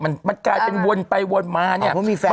มันกลายเป็นวนไปวนมาพยวนพี่มีแฟน